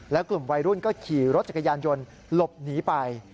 และกลุ่มวัยรุ่นก็ขี่รถจักรยานยนต์หลบหนีไป